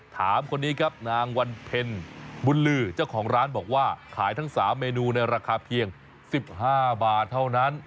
ถามคนนี้ครับนางวันเพ็ญบุญลือเจ้าของร้านบอกว่าขายทั้ง๓เมนูในราคาเพียง๑๕บาทเท่านั้น